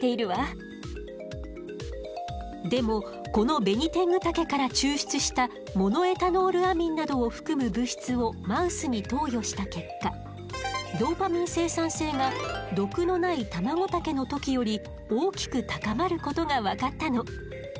でもこのベニテングタケから抽出したモノエタノールアミンなどを含む物質をマウスに投与した結果ドーパミン生産性が毒のないタマゴタケの時より大きく高まることが分かったの。